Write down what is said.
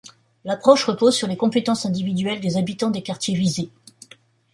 L'approche repose sur les compétences individuelles des habitants des quartiers visés.